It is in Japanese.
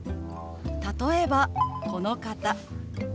例えばこの方。